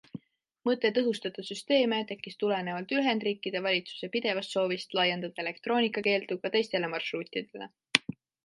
Mõte tõhustada süsteeme tekkis tulenevalt Ühendriikide valitsuse pidevast soovist laiendada elektroonikakeeldu ka teistele marsruutidele.